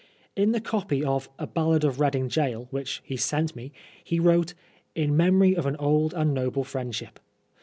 In the copy of "A Ballad of Reading Gaol " which he sent me, he wrote " In Memory of an old and noble Friendship."